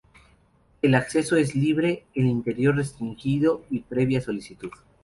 El acceso es libre, el interior restringido y previa solicitud.